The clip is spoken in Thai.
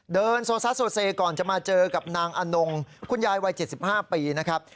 เดินโซซัสโซเซก่อนจะมาเจอกับนางอนงคุณยายวัย๗๕ปีนะครับ